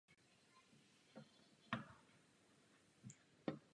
Do děje hraje píseň "Body Electric".